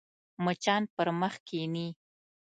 مچان پر مخ کښېني